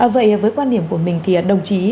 vậy với quan điểm của mình thì đồng chí